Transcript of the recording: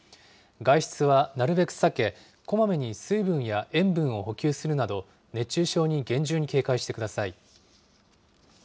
外出はなるべく避け、こまめに水分や塩分を補給するなど、熱中症に厳重に警戒してください。